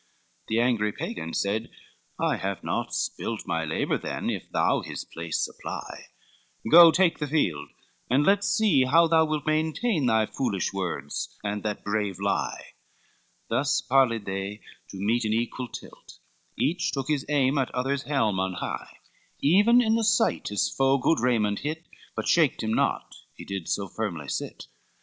LXXXVI The angry Pagan said, "I have not spilt My labor then, if thou his place supply, Go take the field, and let's see how thou wilt Maintain thy foolish words and that brave lie;" Thus parleyed they to meet in equal tilt, Each took his aim at other's helm on high, Even in the fight his foe good Raymond hit, But shaked him not, he did so firmly sit.